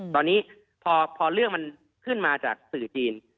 ตอนนี้พอเรื่องมันขึ้นมาจากสื่อจีน